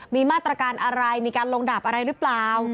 มีมาตรการอะไรมีการลงดาบอะไรหรือเปล่า